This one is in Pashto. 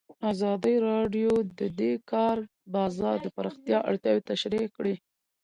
ازادي راډیو د د کار بازار د پراختیا اړتیاوې تشریح کړي.